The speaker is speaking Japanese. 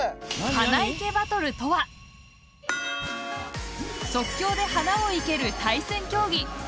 花いけバトルとは即興で花を生ける対戦競技。